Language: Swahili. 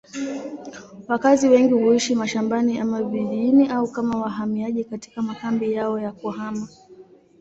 Wakazi wengi huishi mashambani ama vijijini au kama wahamiaji katika makambi yao ya kuhama.